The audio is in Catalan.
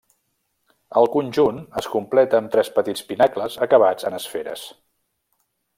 El conjunt es completa amb tres petits pinacles acabats en esferes.